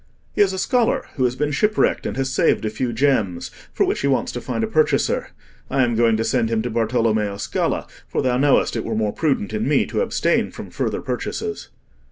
"He is a scholar who has been shipwrecked and has saved a few gems, for which he wants to find a purchaser. I am going to send him to Bartolommeo Scala, for thou knowest it were more prudent in me to abstain from further purchases."